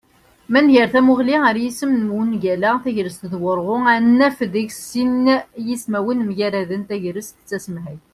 Ma nger tamuγli ar yisem n wungal-a "tagrest d wurγu", ad naf deg-s sin yismawen mgaraden: tegrest d tasemhayt